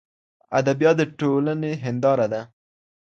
ادبیات د ټولني هنداره ده.